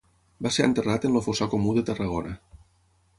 Va ser enterrat en el fossar comú de Tarragona.